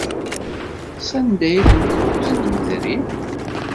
Sanda ay ten-yuzen Yidri?